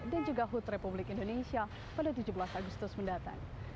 dan juga hut republik indonesia pada tujuh belas agustus mendatang